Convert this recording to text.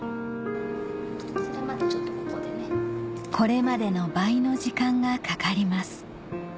これまでの倍の時間がかかります